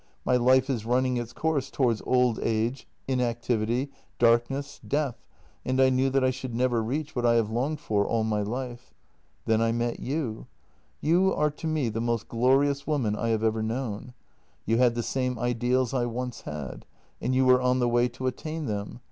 My life is running its course towards old age, inactivity, darkness, death, and I knew that I should never reach what I have longed for all my life. Then I met you. You are to me the most glorious woman I have ever known; you had the same ideals I once had, and you were on the way to attain them.